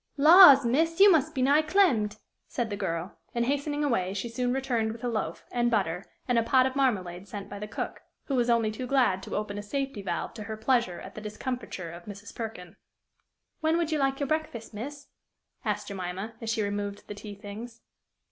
"Laws, miss, you must be nigh clemmed!" said the girl; and, hastening away, she soon returned with a loaf, and butter, and a pot of marmalade sent by the cook, who was only too glad to open a safety valve to her pleasure at the discomfiture of Mrs. Perkin. "When would you like your breakfast, miss?" asked Jemima, as she removed the tea things.